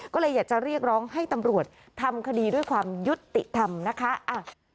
ก็เลยอยากจะเรียกร้องให้ตำรวจทำคดีด้วยความยุติธรรมนะคะ